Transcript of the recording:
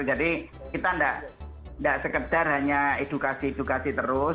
jadi kita nggak sekedar hanya edukasi edukasi terus